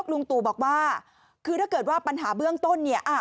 ลุงตู่บอกว่าคือถ้าเกิดว่าปัญหาเบื้องต้นเนี่ย